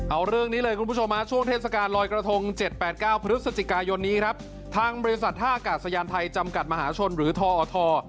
เอาเรื่องนี้เลยคุณผู้ชมช่วงเทศกาลลอยกระทง๗๘๙พฤศจิกายนนี้ครับทางบริษัทท่ากาศยานไทยจำกัดมหาชนหรือทอท